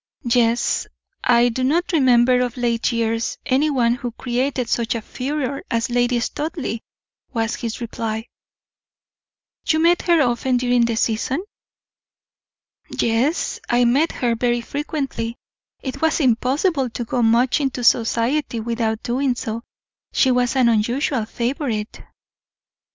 "Yes; I do not remember, of late years, any one who created such a furor as Lady Studleigh," was his reply. "You met her often during the season?" "Yes, I met her very frequently; it was impossible to go much into society without doing so she was an unusual favorite."